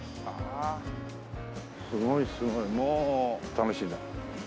すごいすごいもう楽しいな。